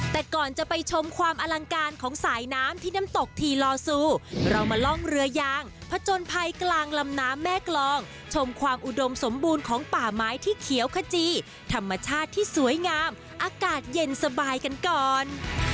แต่ก่อนจะไปชมความอลังการของสายน้ำที่น้ำตกทีลอซูเรามาล่องเรือยางผจญภัยกลางลำน้ำแม่กลองชมความอุดมสมบูรณ์ของป่าไม้ที่เขียวขจีธรรมชาติที่สวยงามอากาศเย็นสบายกันก่อน